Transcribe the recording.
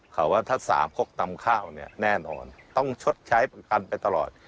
เขาว่าถ้าสามพวกตำข้าวเนี่ยแน่นอนต้องชดใช้ประกันไปตลอด